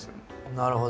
なるほど。